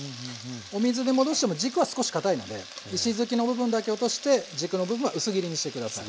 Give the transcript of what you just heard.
お水で戻しても軸は少しかたいので石突きの部分だけ落として軸の部分は薄切りにして下さい。